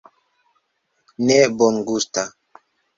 Ne bongusta...